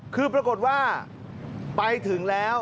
คือปรากฏว่าไปถึงแล้ว